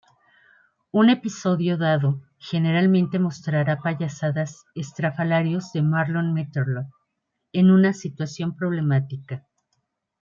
Un episodio dado generalmente mostrará payasadas estrafalarios de Marlon meterlo en una situación problemática.